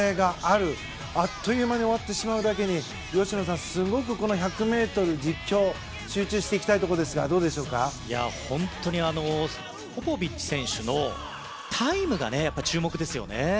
あっという間に終わってしまうだけに吉野さん、すごく１００ｍの実況集中していきたいところですが本当にポポビッチ選手のタイムが注目ですよね。